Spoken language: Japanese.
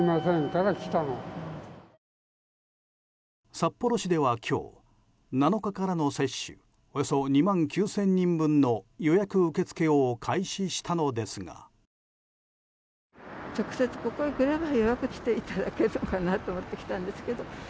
札幌市では今日７日からの接種およそ２万９０００人分の予約受け付けを開始したのですが。